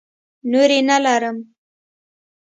نورې نه لرم.